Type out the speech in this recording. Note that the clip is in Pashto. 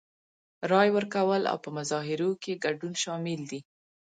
رای ورکول او په مظاهرو کې ګډون شامل دي.